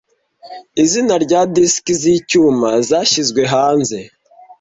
Izina rya disiki zicyuma zashyizwe hanze